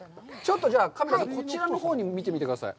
カメラさん、こっちのほう見てみてください。